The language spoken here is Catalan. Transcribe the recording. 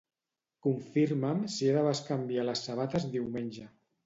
Confirma'm si he de bescanviar les sabates diumenge.